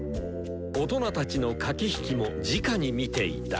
大人たちの駆け引きもじかに見ていた。